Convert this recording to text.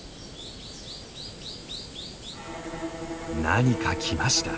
何か来ました。